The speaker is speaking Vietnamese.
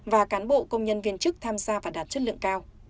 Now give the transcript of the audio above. và cán bộ công nhân viên chức tham gia và đạt chất lượng cao